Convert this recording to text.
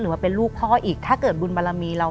ว่าเป็นลูกพ่ออีกถ้าเกิดบุญบารมีเรา